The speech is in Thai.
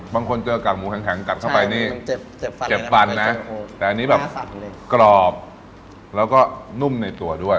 บางคนเจอกากหมูแข็งกัดเข้าไปนี่เจ็บฟันนะแต่อันนี้แบบกรอบแล้วก็นุ่มในตัวด้วย